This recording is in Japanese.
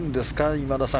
今田さん。